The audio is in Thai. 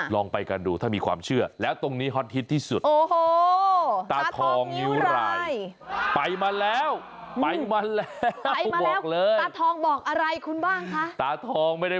ลองไปกันดูถ้ามีความเชื่อแล้วตรงนี้ฮอตฮิตที่สุดโอ้โหตาทองเงียวไร